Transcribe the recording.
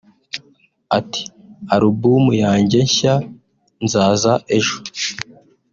Ati “Album yanjye nshya "Nzaza ejo"